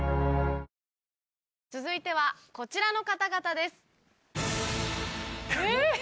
続いてはこちらの方々です。え？